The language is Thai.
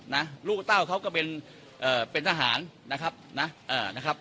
นะลูกเต้าเขาก็เป็นเอ่อเป็นทหารนะครับนะเอ่อนะครับ